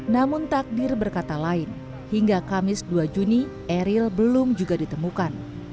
namun takdir berkata lain hingga kamis dua juni eril belum juga ditemukan